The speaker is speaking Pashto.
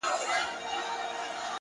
د ذهن رڼا د ژوند لار روښانوي،